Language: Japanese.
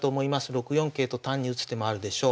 ６四桂と単に打つ手もあるでしょう。